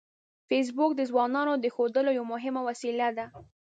فېسبوک د ځوانانو د ښودلو یوه مهمه وسیله ده